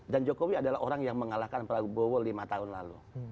jokowi adalah orang yang mengalahkan prabowo lima tahun lalu